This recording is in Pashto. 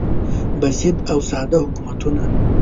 بسیط او ساده حکومتونه